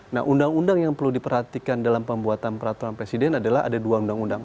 nah undang undang yang perlu diperhatikan dalam pembuatan peraturan presiden adalah ada dua undang undang